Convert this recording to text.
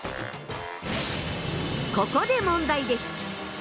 ここで問題です！